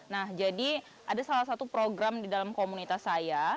nah jadi ada salah satu program di dalam komunitas saya